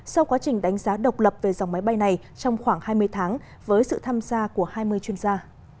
sau quá trình đánh giá độc lập về dòng máy bay này trong khoảng hai mươi tháng với sự tham gia của hai mươi chuyên gia